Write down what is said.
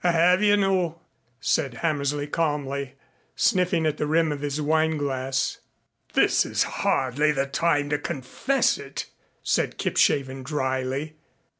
"I have, you know," said Hammersley calmly, sniffing at the rim of his wineglass. "This is hardly the time to confess it," said Kipshaven dryly.